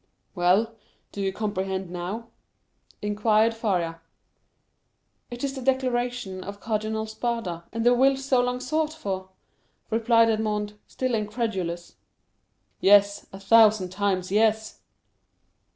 "Well, do you comprehend now?" inquired Faria. "It is the declaration of Cardinal Spada, and the will so long sought for," replied Edmond, still incredulous. "Yes; a thousand times, yes!"